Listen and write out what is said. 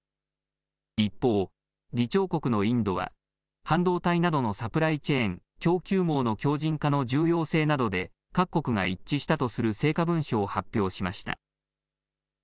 一方、議長国のインドは半導体などのサプライチェーン供給網の強じん化の重要性などで各国が一致したとする成果文書を発表しました。